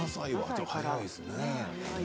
早いですね。